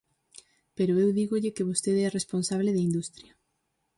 Pero eu dígolle que vostede é responsable de Industria.